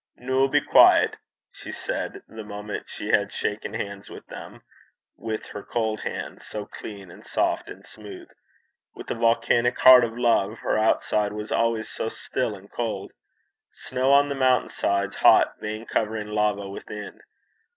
'Noo be dooce,' she said, the moment she had shaken hands with them, with her cold hands, so clean and soft and smooth. With a volcanic heart of love, her outside was always so still and cold! snow on the mountain sides, hot vein coursing lava within.